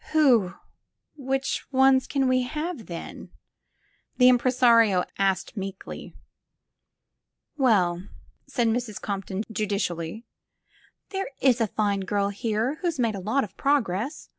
'*Who — ^which ones can we have, then?" the im presario asked meekly. ''Well," said Mrs. Compton judicially, "there is a fine girl here who's made a lot of progress.